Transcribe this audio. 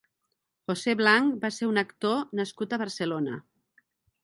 José Blanch va ser un actor nascut a Barcelona.